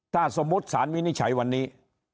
ถ้าสมมุติสารวินิจฉัยวันนี้